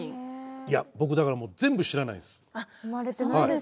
いや僕だからもう全部知らないです。